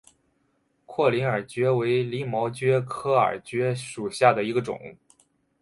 阔鳞耳蕨为鳞毛蕨科耳蕨属下的一个种。